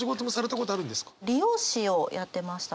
理容師をやってました。